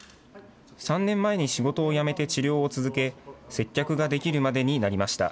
３年前に仕事を辞めて治療を続け、接客ができるまでになりました。